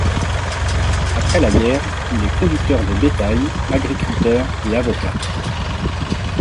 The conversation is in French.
Après la guerre, il est conducteur de bétail, agriculteur et avocat.